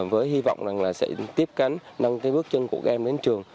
với hy vọng là sẽ tiếp cánh nâng bước chân của em đến trường